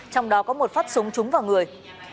trong đó có một phát súng trúng vào người